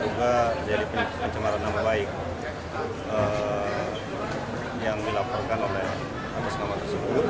juga jadi pencemaran nama baik yang dilaporkan oleh atas nama tersebut